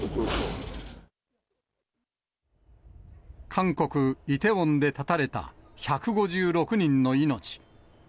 韓国・イテウォンで絶たれた１５６人の命。